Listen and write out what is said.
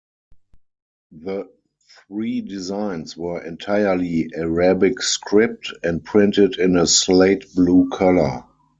The three designs were entirely Arabic script, and printed in a slate blue color.